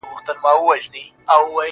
ه چیري یې د کومو غرونو باد دي وهي.